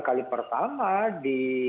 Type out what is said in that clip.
kali pertama di